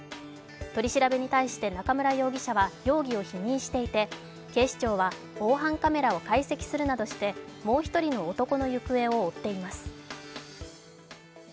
取り調べに対して中村容疑者は容疑を否認していて警視庁は防犯カメラを解析するなどしてもう１人の男の行方を追っています